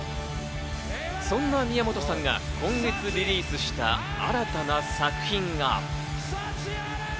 そんな宮本さんが今月リリースした新たな作品が。